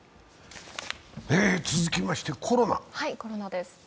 続きましてコロナ。